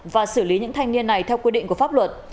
và xử lý những thanh niên này theo quy định của pháp luật